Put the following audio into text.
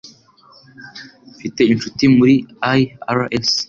Mfite inshuti muri IRS